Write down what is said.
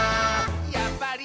「やっぱり！